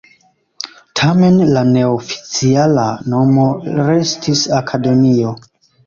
Tamen la neoficiala nomo restis akademio.